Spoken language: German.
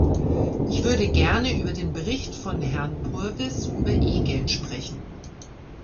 Ich würde gerne über den Bericht von Herrn Purvis über E-Geld sprechen.